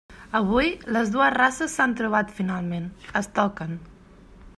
Avui, les dues races s'han trobat finalment; es toquen.